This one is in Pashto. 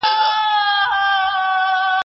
زه اوږده وخت ښوونځی ته ځم!